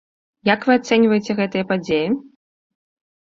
Як вы ацэньваеце гэтыя падзеі?